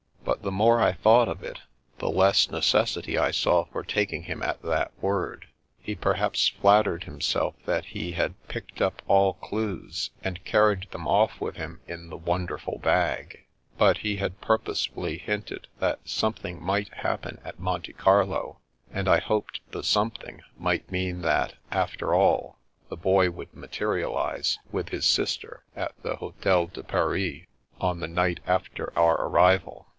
But the more I thought of it, the less ne cessity I saw for taking him at that word. He per haps flattered himself that he had picked up all clues and carried them off with him in the wonderful bag But he had purposefully hinted that "something might happen at Monte Carlo," and I hoped the something might mean that, after all, the Boy would materialise with his sister at the Hotel de Paris on the night after our arrival.